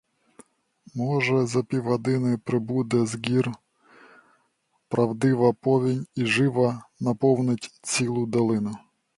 Може, за півгодини прибуде з гір правдива повінь і живо наповнить цілу долину.